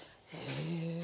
へえ。